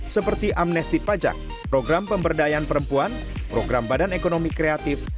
seperti amnesti pajak program pemberdayaan perempuan program badan ekonomi kreatif